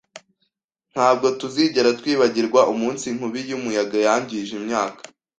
Ntabwo tuzigera twibagirwa umunsi inkubi y'umuyaga yangije imyaka